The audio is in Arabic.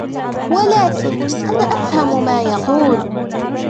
ولكن أنا أفهم ما يقول.